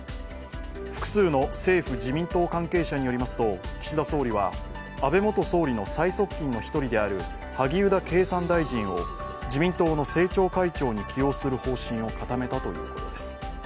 複数の政府・自民党関係者によりますと、岸田総理は安倍元総理の最側近の一人である萩生田経産大臣を自民党の政調会長に起用する方針を固めたということです。